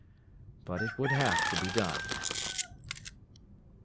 But it would have to be done.